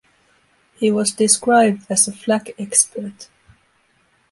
He was described as a "flak expert".